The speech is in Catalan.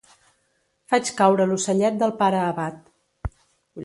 Faig caure l'ocellet del pare abat.